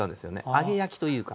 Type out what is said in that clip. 揚げ焼きというか。